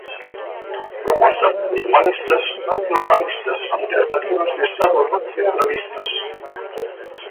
Propostas municipalistas non localistas, alternativas de Estado non centralistas.